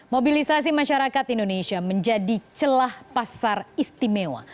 mobilisasi masyarakat indonesia menjadi celah pasar istimewa